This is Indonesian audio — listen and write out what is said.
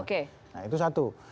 nah itu satu